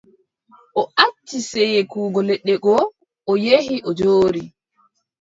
O acci seekugo leɗɗe go, o yehi, o jooɗi.